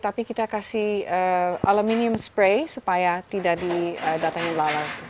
tapi kita kasih aluminium spray supaya tidak didatangi lala